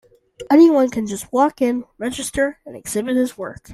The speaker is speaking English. Anyone can just walk-in, register, and exhibit his work.